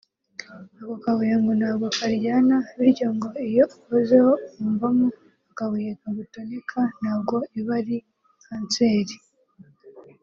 Ako kabuye ngo ntabwo karyana bityo ngo iyo ukozeho ukumvamo akabuye kagutoneka ntabwo iba ari kanseri